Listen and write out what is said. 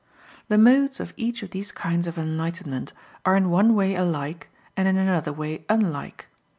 The modes of each of these kinds of enlightenment are in one way alike and in another way unlike.